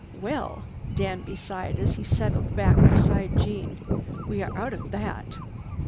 "Well," Danby sighed as he settled back beside Jeanne, "we are out of that."